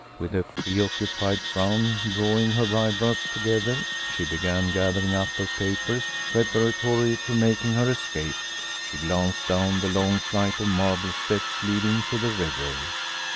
With a preoccupied frown drawing her eyebrows together, she began gathering up her papers, preparatory to making her escape. She glanced down the long flight of marble steps leading to the river.